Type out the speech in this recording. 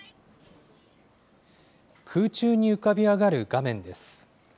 空中に浮かび上がる画面です。